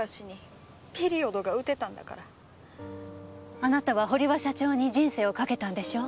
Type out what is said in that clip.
あなたは堀場社長に人生をかけたんでしょう？